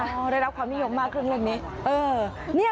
เขาได้รับความมีโยคมากเรื่องเรื่องนี้